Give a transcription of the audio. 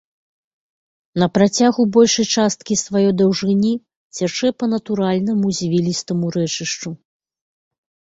На працягу большай часткі сваёй даўжыні цячэ па натуральнаму звілістаму рэчышчу.